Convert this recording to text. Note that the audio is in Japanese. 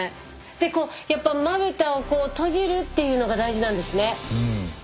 でこうやっぱまぶたを閉じるっていうのが大事なんですね。